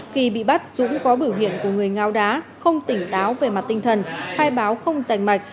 khi bị bắt dũng có biểu hiện của người ngao đá không tỉnh táo về mặt tinh thần khai báo không rành mạch